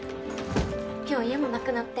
今日家もなくなって。